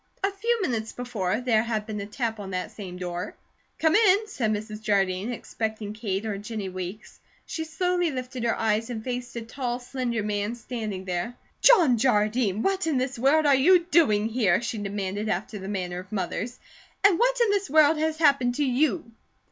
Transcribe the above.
A few minutes before, there had been a tap on that same door. "Come in," said Mrs. Jardine, expecting Kate or Jennie Weeks. She slowly lifted her eyes and faced a tall, slender man standing there. "John Jardine, what in the world are you doing here?" she demanded after the manner of mothers, "and what in this world has happened to you?"